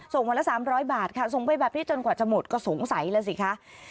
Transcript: ส่งวันละ๓๐๐บาทค่ะส่งไปแบบนี้จนกว่าจะหมดก็สงสัยแล้วสิคะ